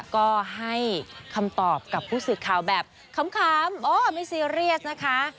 ก็ให้คำตอบกับผู้ศึกคาแบบข้ำโอ้ยไม่เซียเรียสนะคะ